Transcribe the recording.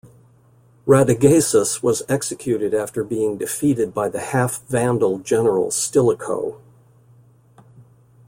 Radagaisus was executed after being defeated by the half-Vandal general Stilicho.